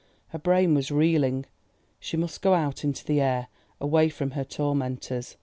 Her brain was reeling, she must go out into the air—away from her tormentors.